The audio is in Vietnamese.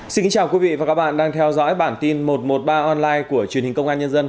xin chào quý vị và các bạn đang theo dõi bản tin một trăm một mươi ba online của truyền hình công an nhân dân